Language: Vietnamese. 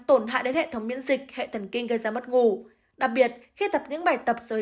tổn hại đến hệ thống miễn dịch hệ thần kinh gây ra mất ngủ đặc biệt khi tập những bài tập giới